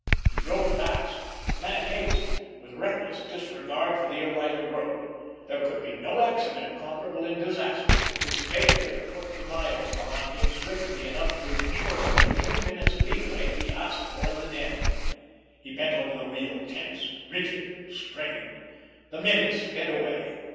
He drove fast, with mad haste, with reckless disregard for the ill lighted road. There could be no accident comparable in disaster to his failure to put the miles behind him swiftly enough to insure him the few minutes leeway he asked for in the den. He bent over the wheel, tense, rigid, strained. The minutes sped away.